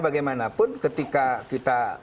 bagaimanapun ketika kita